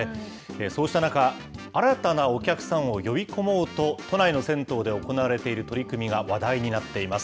そうした中、新たなお客さんを呼び込もうと、都内の銭湯で行われている取り組みが話題になっています。